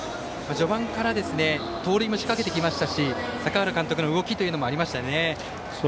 序盤から盗塁も仕掛けてきましたし坂原監督の動きもありましたね。